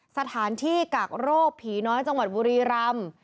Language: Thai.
สถานที่กักโรคผีน้อยจังหวัดบุรีรำ